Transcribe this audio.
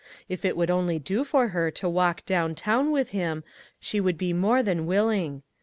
If it would only do for her to walk down town with him, she would be more than willing.